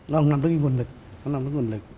nó nằm trong cái nguồn lực